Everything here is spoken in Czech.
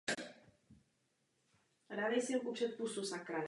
Podle našich vlastních studií zaostáváme v oblasti výzkumu a vývoje.